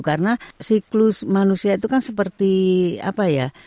karena siklus manusia itu kan seperti apa ya